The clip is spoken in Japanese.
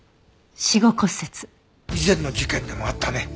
以前の事件でもあったね。